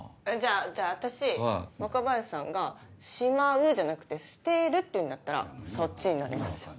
じゃあ私若林さんが「しまう」じゃなくて「捨てる」って言うんだったらそっちに乗りますよ。